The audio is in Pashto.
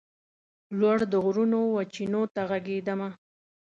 لوړ د غرونو وچېنو ته ږغېدمه